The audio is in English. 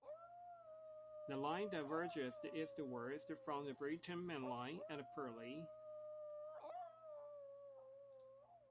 The line diverges eastwards from the Brighton Main Line at Purley.